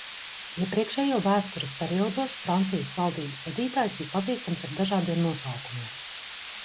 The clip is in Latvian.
Iepriekšējo vēstures periodos Francijas valdības vadītājs bija pazīstams ar dažādiem nosaukumiem.